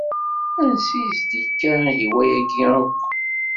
Ansi i s-d-ikka ihi wayagi akk?